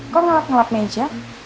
kok ngelap ngelap meja